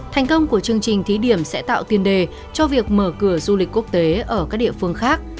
thành công của chương trình thí điểm sẽ tạo tiền đề cho việc mở cửa du lịch quốc tế ở các địa phương khác